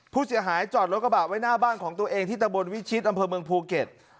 ผู้เสียหายจอดรถกระบะไว้หน้าบ้านของตัวเองที่ตะบนวิชิตอำเภอเมืองภูเก็ต